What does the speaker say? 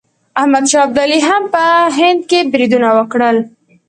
احمد شاه ابدالي هم په هند بریدونه وکړل.